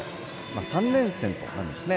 ３連戦となるんですね。